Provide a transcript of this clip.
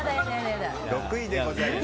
６位でございます。